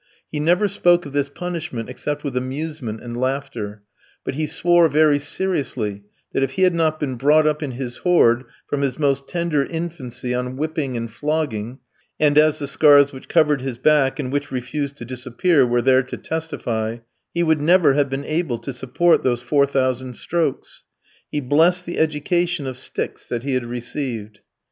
He never spoke of this punishment except with amusement and laughter; but he swore very seriously that if he had not been brought up in his horde, from his most tender infancy, on whipping and flogging and as the scars which covered his back, and which refused to disappear, were there to testify he would never have been able to support those 4,000 strokes. He blessed the education of sticks that he had received.